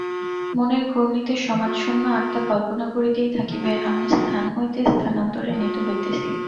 মনের ঘূর্ণিতে সমাচ্ছন্ন আত্মা কল্পনা করিতেই থাকিবে, আমি স্থান হইতে স্থানান্তরে নীত হইতেছি।